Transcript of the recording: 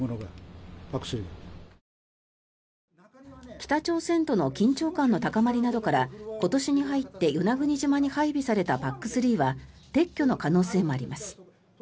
北朝鮮との緊張感の高まりなどから今年に入って与那国島に配備されたＰＡＣ３は撤去の可能性もあります。